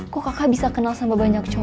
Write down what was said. kok kakak bisa kenal sama banyak cowok